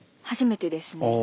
初めてですね。